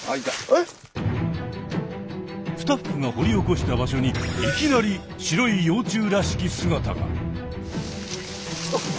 スタッフが掘り起こした場所にいきなり白い幼虫らしき姿が。